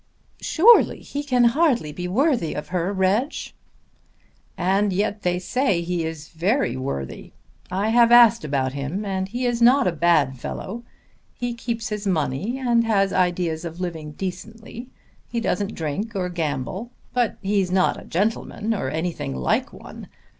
"Surely he can hardly be worthy of her, Reg." "And yet they say he is very worthy. I have asked about him, and he is not a bad fellow. He keeps his money and has ideas of living decently. He doesn't drink or gamble. But he's not a gentleman or anything like one.